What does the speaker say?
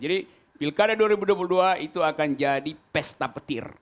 jadi pilkada dua ribu dua puluh dua itu akan jadi pesta petir